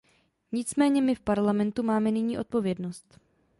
Nicméně my v Parlamentu máme nyní odpovědnost.